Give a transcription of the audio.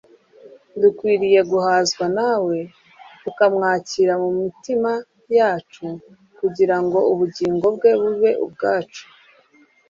Dukwiriye guhazwa na we, tukamwakira mu mitima yaca kugira ngo ubugingo bwe bube ubwacu.